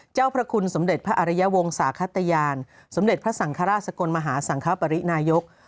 เจ้าพระคุณสมเด็จพระอารยวงศาขตยานสมเด็จพระสังฆราชสกลมหาสังคปรินายก